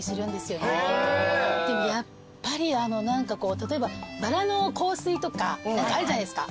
でもやっぱりあの何かこう例えばバラの香水とかあるじゃないですか。